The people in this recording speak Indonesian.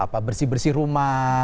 masalah bersih bersih rumah